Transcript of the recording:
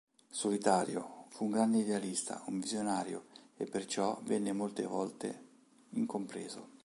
Solitario, fu un grande idealista, un visionario e perciò venne molte volte incompreso.